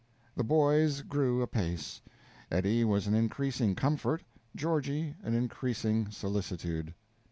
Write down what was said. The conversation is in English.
The boys grew apace. Eddie was an increasing comfort, Georgie an increasing solicitude.